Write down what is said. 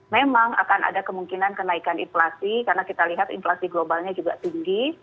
memang akan ada kemungkinan kenaikan inflasi karena kita lihat inflasi globalnya juga tinggi